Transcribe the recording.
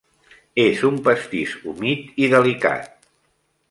És un pastís humit i delicat.